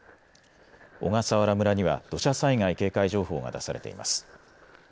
小笠原村には土砂災害警戒情報が出されています。